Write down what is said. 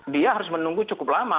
dia harus menunggu cukup lama